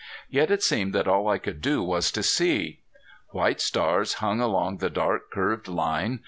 Yet it seemed that all I could do was to see. White stars hung along the dark curved line.